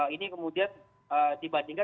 ini kemudian dibandingkan